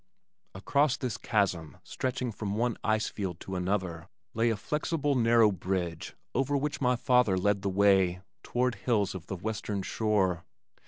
Across this chasm stretching from one ice field to another lay a flexible narrow bridge over which my father led the way toward hills of the western shore.